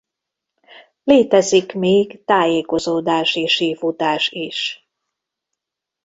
Létezik még tájékozódási sífutás is.